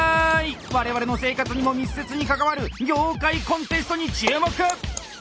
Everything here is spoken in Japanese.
我々の生活にも密接に関わる業界コンテストに注目！